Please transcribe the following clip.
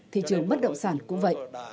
thị trường bất động sản cũng vậy